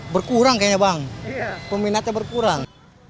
berkurang kayaknya bang peminatnya berkurang